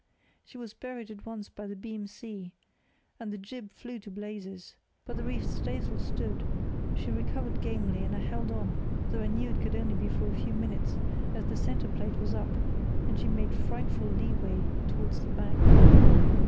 She was buried at once by the beam sea, and the jib flew to blazes; but the reefed stays'l stood, she recovered gamely, and I held on, though I knew it could only be for a few minutes, as the centre plate was up, and she made frightful leeway towards the bank.